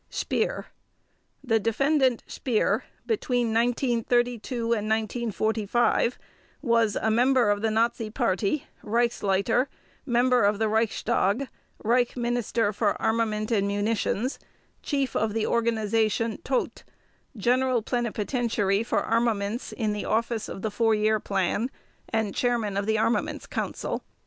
SPEER: The Defendant SPEER between 1932 and 1945 was: A member of the Nazi Party, Reichsleiter, member of the Reichstag, Reich Minister for Armament and Munitions, Chief of the Organization Todt, General Plenipotentiary for Armaments in the Office of the Four Year Plan, and Chairman of the Armaments Council.